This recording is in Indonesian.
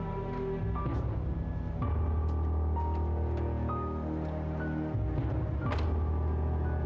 situasi yang lama monyet keras